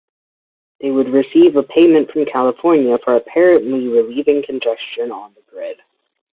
They would receive a payment from California for apparently relieving congestion on the grid.